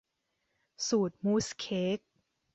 สูตรมูสเค้ก